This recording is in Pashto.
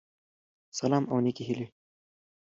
سلام او نيکي هیلی